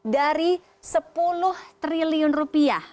dari sepuluh triliun rupiah